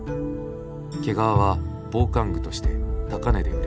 毛皮は防寒具として高値で売れた。